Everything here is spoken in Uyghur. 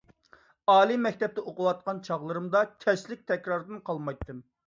ئالىي مەكتەپتە ئوقۇۋاتقان چاغلىرىمدا، كەچلىك تەكراردىن قالمايتتىم.